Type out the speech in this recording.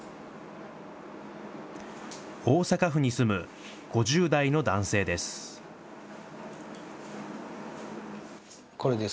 大阪府に住む５０代の男性です。